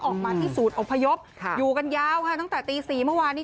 ออกมาที่ศูนย์อพยพอยู่กันยาวค่ะตั้งแต่ตี๔เมื่อวานนี้